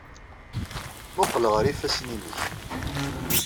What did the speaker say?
Mmuqqel ɣer yifassen-nnek.